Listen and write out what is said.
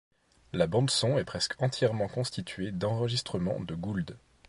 La bande son est presque entièrement constituée d'enregistrements de Gould.